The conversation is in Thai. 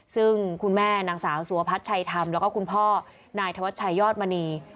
ซึ่งคุณแม่นางสาวสุวพัฒน์ชัยธรรมแล้วก็คุณพ่อนายธวัชชัยยอดมณี